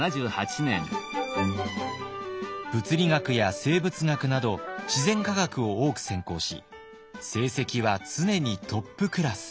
物理学や生物学など自然科学を多く専攻し成績は常にトップクラス。